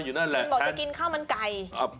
อยู่นั่นแหละบอกจะกินข้าวมันไก่